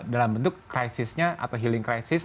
dalam bentuk krisisnya atau healing krisis